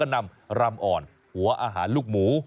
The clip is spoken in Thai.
นำรำอ่อนหัวอาหารลูกหมู